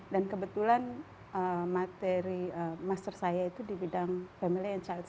dan kebetulan master saya itu di bidang family and child studies